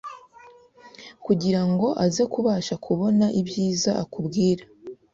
kugira ngo aze kubasha kubona ibyiza akubwira